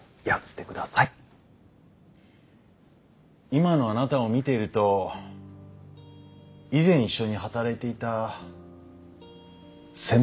今のあなたを見ていると以前一緒に働いていた先輩を思い出します。